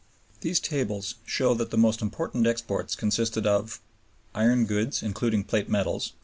0 ++ These tables show that the most important exports consisted of: (1) Iron goods, including tin plates (13.